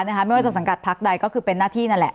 ไม่ว่าจะสังกัดพักใดก็คือเป็นหน้าที่นั่นแหละ